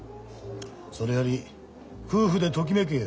それより夫婦でときめけよ。